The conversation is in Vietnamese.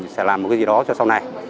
sẽ làm một cái gì đó cho sau này